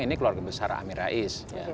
ini keluarga besar amin rais